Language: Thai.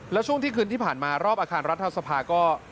แล้วช่วงที่คืนที่ผ่านมารอบอาคารรัฐสภาก็